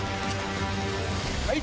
はい！